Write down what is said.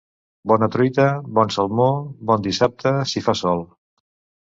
Bona truita, bon salmó, bon dissabte si fa sol.